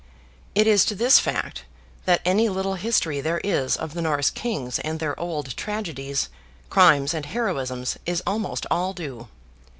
It is to this fact, that any little history there is of the Norse Kings and their old tragedies, crimes and heroisms, is almost all due.